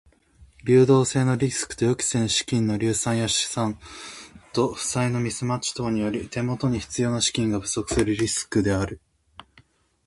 流動性リスクとは予期せぬ資金の流出や資産と負債のミスマッチ等により手元に必要な資金が不足するリスクである。